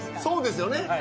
そうですよね？